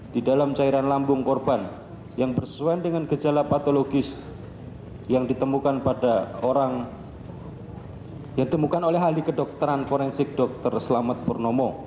di dalam cairan lambung korban yang bersesuaian dengan gejala patologis yang ditemukan oleh ahli kedokteran forensik dr selamat purnomo